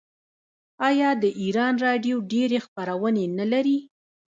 آیا د ایران راډیو ډیرې خپرونې نلري؟